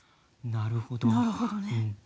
なるほどね。